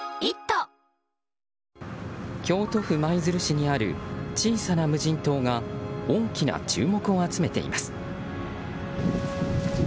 京都府舞鶴市にある小さな無人島が大きな注目を集めています。